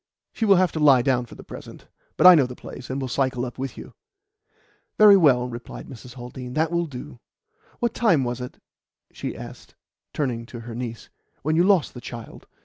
"She will have to lie down for the present. But I know the place, and will cycle up with you." "Very well," replied Mrs. Haldean, "that will do. What time was it," she asked, turning to her niece, "when you lost the child?